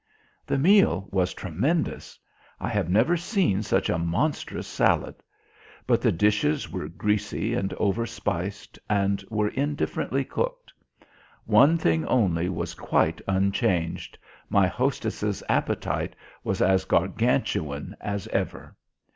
The meal was tremendous. I have never seen such a monstrous salad. But the dishes were greasy and over spiced, and were indifferently cooked. One thing only was quite unchanged my hostess's appetite was as Gargantuan as ever.